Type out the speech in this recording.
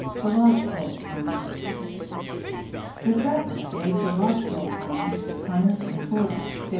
The Lodge Pole Pine The trappers gave the Lodge Pole Pine (Pinus contorta, var.